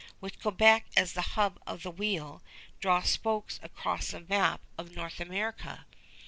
With Quebec as the hub of the wheel, draw spokes across the map of North America.